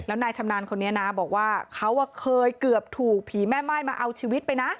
แล้วนายชำนาญคนนี้นะบอกว่าเขาเคยเกือบถูกผีแม่ม่ายมาเอาชีวิตไปนะ